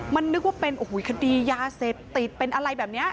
มันนึกว่าเป็นโอ้โหคดียาเสพติดเป็นอะไรแบบนี้